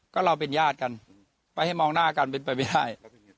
ก็เราเป็นญาติกันไปให้มองหน้ากันเป็นไปไม่ได้